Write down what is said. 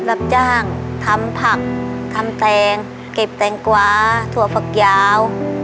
รับจ้างทำผักทำแตงเก็บแตงกวาถั่วผักยาว